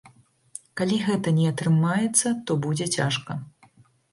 Калі гэта не атрымаецца, то будзе цяжка.